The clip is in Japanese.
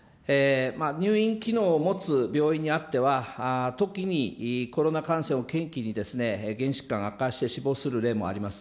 入院機能を持つ病院にあっては、時にコロナ感染を契機に原因疾患が悪化して死亡する例もあります。